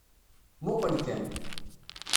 Muqel kan.